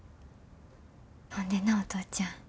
ほんでなお父ちゃん。